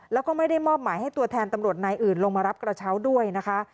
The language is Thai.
แล้วก็ไม่ได้มอบหมายให้ตัวแทนตำรวจนายอื่นลงมารับกระเช้าด้วยนะคะ